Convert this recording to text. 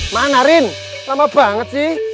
mana rin lama banget sih